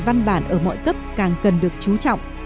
văn bản ở mọi cấp càng cần được chú trọng